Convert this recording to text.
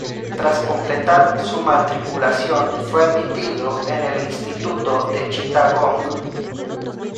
Tras completar su matriculación, fue admitido en el Instituto de Chittagong.